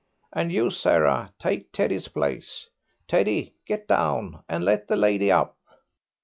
And you, Sarah, take Teddy's place. Teddy, get down, and let the lady up."